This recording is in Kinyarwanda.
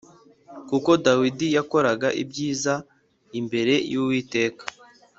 kuko Dawidi yakoraga ibyiza imbere y’Uwiteka